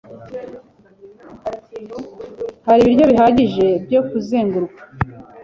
Hari ibiryo bihagije byo kuzenguruka?